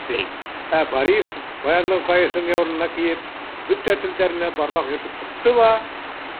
Ә Борис, баяндың ҡайышын яурынына кейеп, бөтә телдәренә бармаҡ йөрөтөп сыҡты ла: